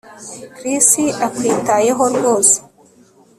Chris akwitayeho rwose